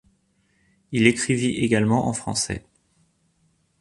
Il écrivit également en français.